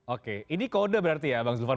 oke ini kode berarti ya bang zulfan